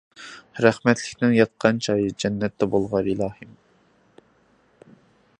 رەھمەتلىكنىڭ ياتقان جايى جەننەتتە بولغاي ئىلاھىم!